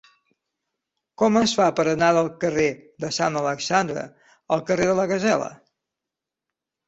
Com es fa per anar del carrer de Sant Alexandre al carrer de la Gasela?